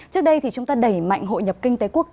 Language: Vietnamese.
trước đây thì chúng ta đẩy mạnh hội nhập kinh tế quốc tế